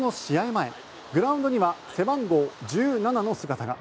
前、グラウンドには背番号１７の姿が。